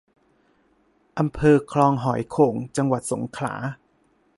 อำเภอคลองหอยโข่ง จังหวัดสงขลา